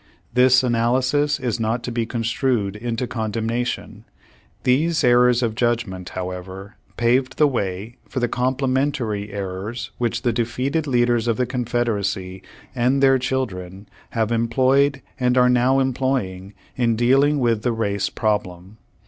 This analysis is not to be construed into condemnation. These errors of judgment, how ever, paved the v/ay for the complementary errors which the defeated leaders of the Confederacy, and thsir children have employed and are now em ploying in dealing with the race problem.